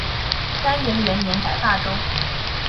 干元元年改霸州。